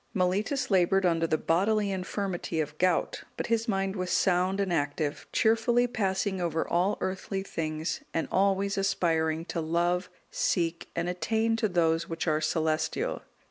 Mellitus laboured under the bodily infirmity of gout, but his mind was sound and active, cheerfully passing over all earthly things, and always aspiring to love, seek, and attain to those which are celestial.